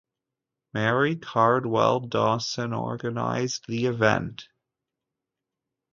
Mary Cardwell Dawson organized the event.